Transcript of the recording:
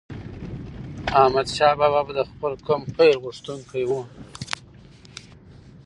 احمدشاه بابا به د خپل قوم خیرغوښتونکی و.